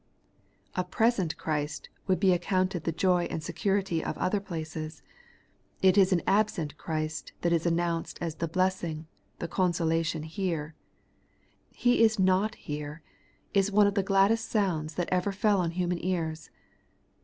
A present Christ would be accounted the joy and security of other places ; it is an absent Christ that is annoimced as the bless ing, the consolation here. He is not here, is one of the gladdest sounds that ever fell on human ears.